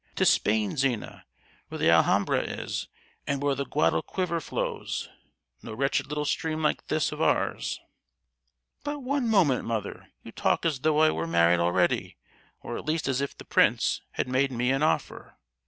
—to Spain, Zina, where the Alhambra is, and where the Guadalquiver flows—no wretched little stream like this of ours!" "But, one moment, mother; you talk as though I were married already, or at least as if the prince had made me an offer!"